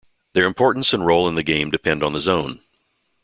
Their importance and role in the game depend on the zone.